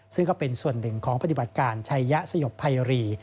ซึ่งก็เป็นส่วนหนึ่งของปฏิบัติการชัยยะสยบภัยรี